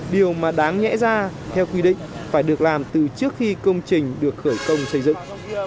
điều mà đáng lẽ ra theo quy định phải được làm từ trước khi công trình được khởi công xây dựng